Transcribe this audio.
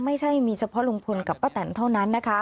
ไม่ใช่มีเฉพาะลุงพลกับป้าแตนเท่านั้นนะคะ